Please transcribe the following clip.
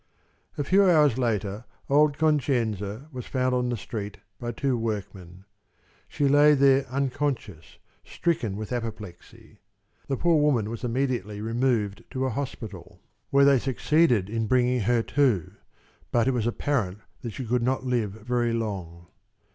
A few hours later, old Concenza was found on the street by two workmen. She lay there unconscious, stricken with apoplexy. The poor woman was immediately removed to a hospital, where they succeeded in bringing her to, but it was apparent that she could not live very long.